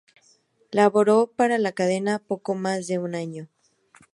Laboró para la cadena poco más de un año.